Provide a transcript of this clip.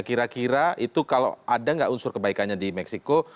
kira kira itu kalau ada nggak unsur kebaikannya di meksiko